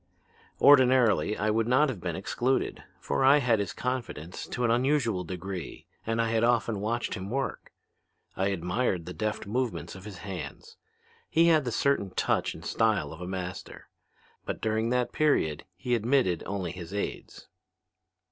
"Ordinarily I would not have been excluded, for I had his confidence to an unusual degree and I had often watched him work. I admired the deft movements of his hands. He had the certain touch and style of a master. But during that period he admitted only his aids.